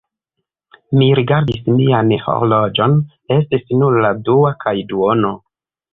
Mi rigardis mian horloĝon: estis nur la dua kaj duono.